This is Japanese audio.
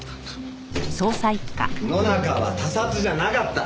野中は他殺じゃなかった。